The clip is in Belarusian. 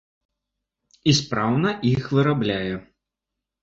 І спраўна іх вырабляе.